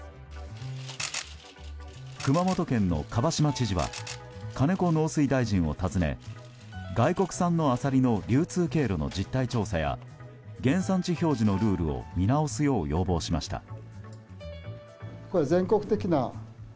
熊本県の蒲島知事は金子農水大臣を訪ね外国産のアサリの流通経路の実態調査や原産地表示のルールを見直すよう要望しました。